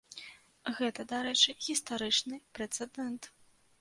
Гэта, дарэчы, гістарычны прэцэдэнт.